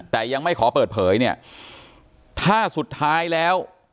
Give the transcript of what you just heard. แต่ยังไม่ขอเปิดเผยเนี่ยถ้าสุดท้ายแล้ว